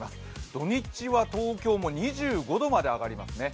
土日は東京も２５度まで上がりますね。